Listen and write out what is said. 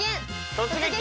「突撃！